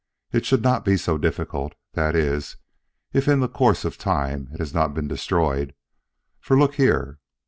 It should not be so difficult, that is, if in the course of time it has not been destroyed, for look here."